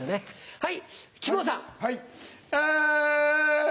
はい。